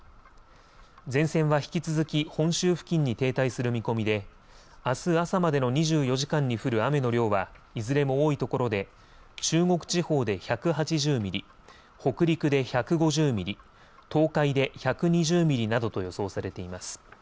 前線は引き続き本州付近に停滞する見込みであす朝までの２４時間に降る雨の量はいずれも多いところで中国地方で１８０ミリ、北陸で１５０ミリ、東海で１２０ミリなどと予想されています。